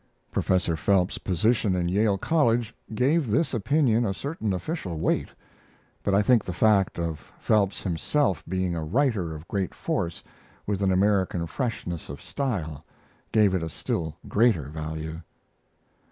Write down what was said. Professor Phelps's position in Yale College gave this opinion a certain official weight; but I think the fact of Phelps himself being a writer of great force, with an American freshness of style, gave it a still greater value.